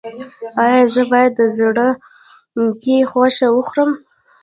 ایا زه باید د زرکې غوښه وخورم؟